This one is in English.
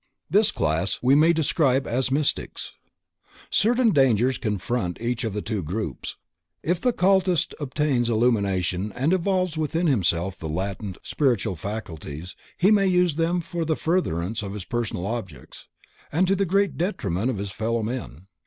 This class we may describe as mystics. Certain dangers confront each of the two groups. If the occultist obtains illumination and evolves within himself the latent spiritual faculties, he may use them for the furtherance of his personal objects, to the great detriment of his fellow men.